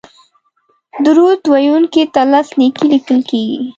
درود ویونکي ته لس نېکۍ لیکل کیږي